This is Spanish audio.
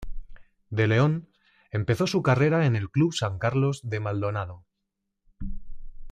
De León empezó su carrera en el Club San Carlos de Maldonado.